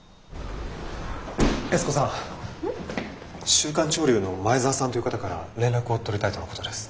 「週刊潮流」の前沢さんという方から連絡を取りたいとのことです。